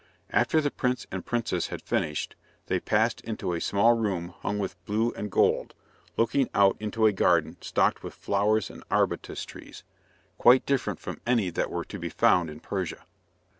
After the prince and princess had finished, they passed into a small room hung with blue and gold, looking out into a garden stocked with flowers and arbutus trees, quite different from any that were to be found in Persia.